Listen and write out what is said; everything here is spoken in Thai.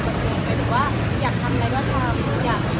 เกือบติดออนเดือนเมษายน